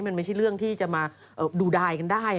มันไม่ใช่เรื่องที่จะมาดูดายกันได้